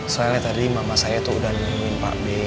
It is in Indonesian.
soalnya tadi mama saya tuh udah nungguin pak be